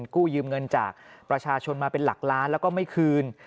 กู้ยืมเงินจากประชาชนมาเป็นหลักล้านแล้วก็ไม่คืน